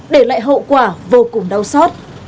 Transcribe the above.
để lại hậu quả vô cùng đau xót